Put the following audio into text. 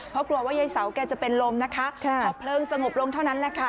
เพราะกลัวว่ายายเสาแกจะเป็นลมนะคะพอเพลิงสงบลงเท่านั้นแหละค่ะ